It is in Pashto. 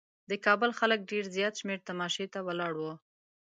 د کابل خلک ډېر زیات شمېر تماشې ته ولاړ وو.